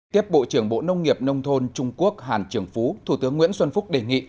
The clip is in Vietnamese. tiếp bộ trưởng bộ nông nghiệp nông thôn trung quốc hàn trường phú thủ tướng nguyễn xuân phúc đề nghị